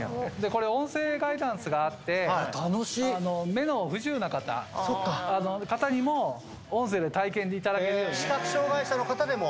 これ、音声ガイダンスがあって、目の不自由な方にも、音声で視覚障がい者の方でも。